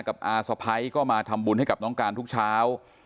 อาสะพ้ายก็มาทำบุญให้กับน้องการทุกเช้า